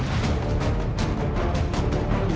สวัสดีครับ